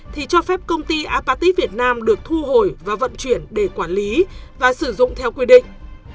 thì cho phép công ty apatit việt nam được thu hồi và vận chuyển để quản lý và sử dụng theo quy định